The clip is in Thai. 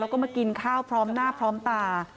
แล้วก็มากินข้าวพร้อมหน้าพร้อมตา